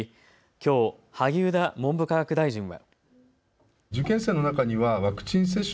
きょう、萩生田文部科学大臣は。